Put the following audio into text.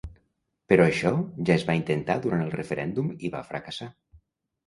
Però això ja es va intentar durant el referèndum i va fracassar.